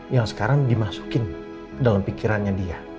yang sekarang dimasukin dalam pikirannya dia